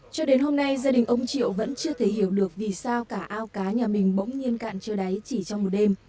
cho đến hôm nay gia đình ông triệu vẫn chưa thể hiểu được vì sao cả ao cá nhà mình bỗng nhiên cạn chưa đáy chỉ trong một đêm